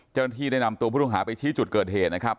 เจ้าหน้าที่ได้นำตัวผู้ต้องหาไปชี้จุดเกิดเหตุนะครับ